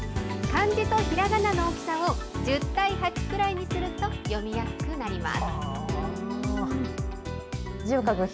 漢字とひらがなの大きさを１０対８くらいにすると読みやすくなり